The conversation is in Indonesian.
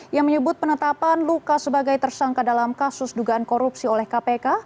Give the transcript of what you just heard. yang menyebut penetapan lukas sebagai tersangka dalam kasus dugaan korupsi oleh kpk